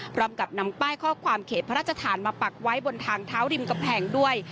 พร้อมกับนำป้ายข้อความเขตพระราชฐานมาปักไว้บนทางเท้าริมกำแพงด้วย